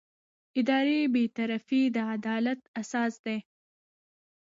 اداري بېطرفي د عدالت اساس دی.